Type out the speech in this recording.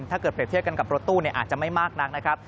ถ้าเกิดเปรียบเทียบกันกับรถตู้อาจจะไม่มากนักนะครับ